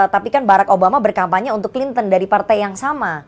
tapi kan barack obama berkampanye untuk clinton dari partai yang sama